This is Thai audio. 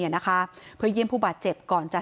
ท่านผู้ชมครับ